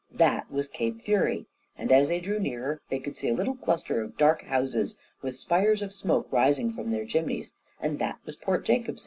That was Cape Fury, and as they drew nearer they could see a little cluster of dark houses, with spires of smoke rising from their chimneys, and that was Port Jacobson.